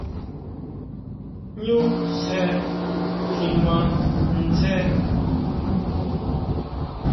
¿ʼÑu sje kjimá ʼnsje?